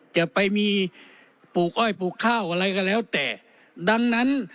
จะไปมีปลูกอ้อยปลูกข้าวอะไรก็แล้วแต่ดังนั้น